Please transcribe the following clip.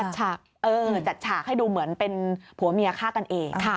จัดฉากให้ดูเหมือนเป็นผัวเมียฆ่ากันเอง